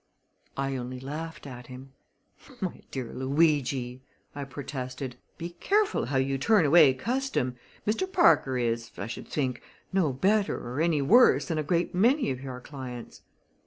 I only laughed at him. "My dear Luigi," I protested, "be careful how you turn away custom. Mr. Parker is, I should think, no better or any worse than a great many of your clients."